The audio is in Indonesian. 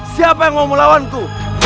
siapa yang mau melawan ku